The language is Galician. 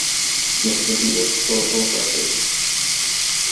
Nese sentido todos somos forasteiros.